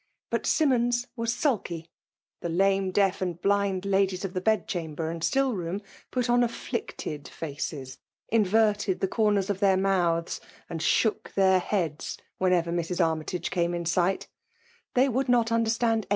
But 8im« mons was sulky ; the lame, deaf, and blind Jadi, es of the bed chamber and still room, put on affliipted fi^ces, inverted the comers of their mouths, and shook their heads whenever Mrs. , Amyta^e came in sighti They would i^t ^i^d^initand a.